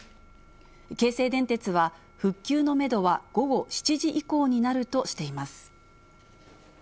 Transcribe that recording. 京成電鉄は、復旧のメドは午後７時以降になるとしています。